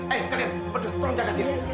eh kalian tolong jaga dia